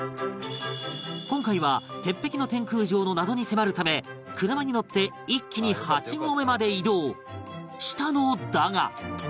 今回は鉄壁の天空城の謎に迫るため車に乗って一気に８合目まで移動したのだが